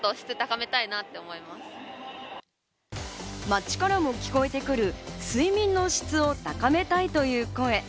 街からも聞こえてくる、睡眠の質を高めたいという声。